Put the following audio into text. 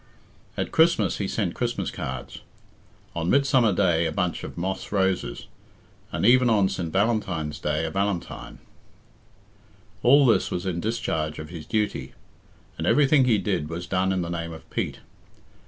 At Christmas he sent Christmas cards, on Midsummer Day a bunch of moss roses, and even on St. Valentine's Day a valentine. All this was in discharge of his duty, and everything he did was done in the name of Pete.